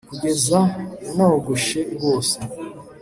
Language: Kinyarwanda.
kugeza nogoshe rwose,